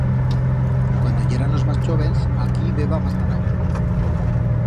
Cuando yéranos mas chóvens, aquí b'heba mas ganau.